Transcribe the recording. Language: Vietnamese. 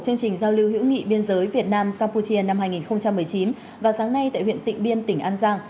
chương trình giao lưu hữu nghị biên giới việt nam campuchia năm hai nghìn một mươi chín vào sáng nay tại huyện tịnh biên tỉnh an giang